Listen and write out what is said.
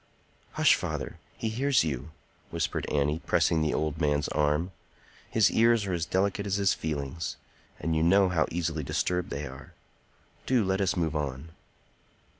"Hush, father! He hears you!" whispered Annie, pressing the old man's arm. "His ears are as delicate as his feelings; and you know how easily disturbed they are. Do let us move on."